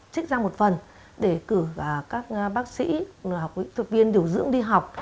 trích ra một phần để cử các bác sĩ thực viên điều dưỡng đi học